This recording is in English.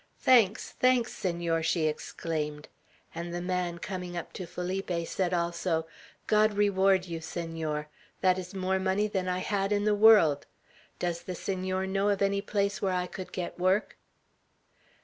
"Thanks! Thanks, Senor!" she exclaimed; and the man coming up to Felipe said also, "God reward you, Senor! That is more money than I had in the world! Does the Senor know of any place where I could get work?"